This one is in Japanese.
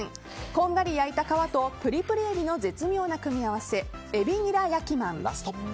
こんがり焼いた皮とプリプリ海老の絶妙な組み合わせ海老ニラ焼きまん。